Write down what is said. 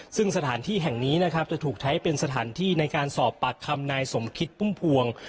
ซึ่งสถานที่แห่งนี้นะครับจะถูกใช้เป็นสถานที่ในการสอบปากคำนายสมคิดพุ่มพวง